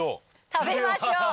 食べましょう。